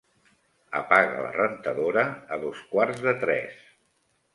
Apaga la rentadora a dos quarts de tres.